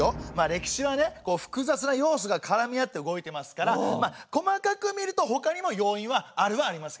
歴史はね複雑な要素がからみあって動いてますから細かく見るとほかにも要因はあるはあります。